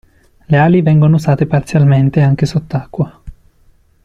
Le ali vengono usate parzialmente anche sott'acqua.